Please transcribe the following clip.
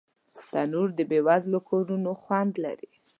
تنور د بې وزلو کورونو خوند لري